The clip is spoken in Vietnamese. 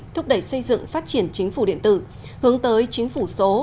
thúc đẩy xây dựng phát triển chính phủ điện tử hướng tới chính phủ số